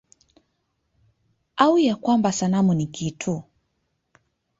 Au ya kwamba sanamu ni kitu?